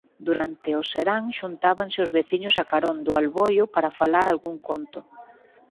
Durante o serán xuntábanse os veciños a carón do alboio para falar algún conto.